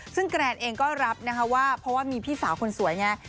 ซึ่งแกรนเองก็รับนะคะว่าเพราะว่ามีพี่สาวคนสวยไง